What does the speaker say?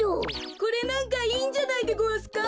これなんかいいんじゃないでごわすか？